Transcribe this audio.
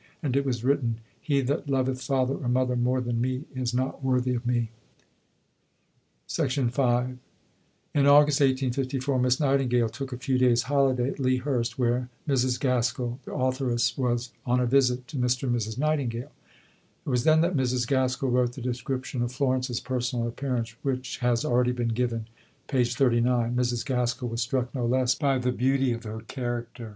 And it was written: "He that loveth father or mother more than me is not worthy of me." V In August 1854 Miss Nightingale took a few days' holiday at Lea Hurst, where Mrs. Gaskell, the authoress, was on a visit to Mr. and Mrs. Nightingale. It was then that Mrs. Gaskell wrote the description of Florence's personal appearance, which has already been given (p. 39). Mrs. Gaskell was struck no less by the beauty of her character.